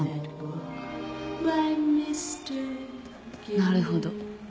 なるほど。